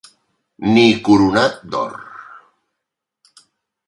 Ni coronat d'or.